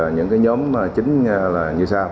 những nhóm chính là như sau